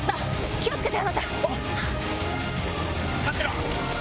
気を付けて。